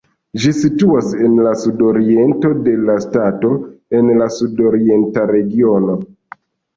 Ĝi situas en la sudoriento de la stato en la Sudorienta regiono.